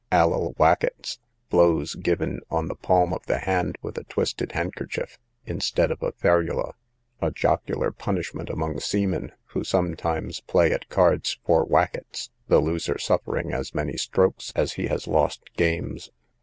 Alel Wackets, blows given on the palm of the hand with a twisted handkerchief, instead of a ferula; a jocular punishment among seamen, who sometimes play at cards for wackets, the loser suffering as many strokes as he has lost games.